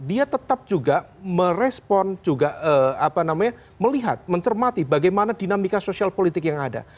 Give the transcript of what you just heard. itu juga merespon melihat mencermati bagaimana dinamika sosial politik yang ada